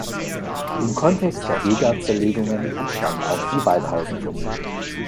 Im Kontext der Heegaard-Zerlegungen entstand auch die Waldhausen-Vermutung.